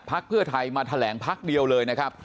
เพื่อไทยมาแถลงพักเดียวเลยนะครับ